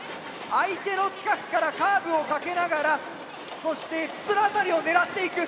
相手の近くからカーブをかけながらそして筒の辺りを狙っていく。